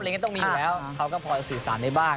หลังงี้ต้องมีอยู่แล้วเขาก็สูญภาษาในบ้าน